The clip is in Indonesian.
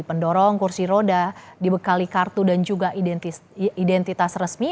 pendorong kursi roda dibekali kartu dan juga identitas resmi